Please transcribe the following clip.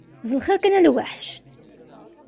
D lxir kan a lwaḥc?